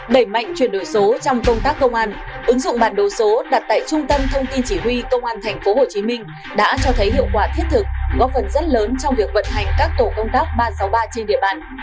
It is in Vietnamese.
đẩy mạnh chuyển đổi số trong công tác công an ứng dụng bản đồ số đặt tại trung tâm thông tin chỉ huy công an tp hcm đã cho thấy hiệu quả thiết thực góp phần rất lớn trong việc vận hành các tổ công tác ba trăm sáu mươi ba trên địa bàn